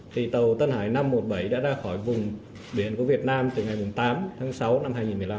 thì tàu tân hải năm trăm một mươi bảy đã ra khỏi vùng biển của việt nam từ ngày tám tháng sáu năm hai nghìn một mươi năm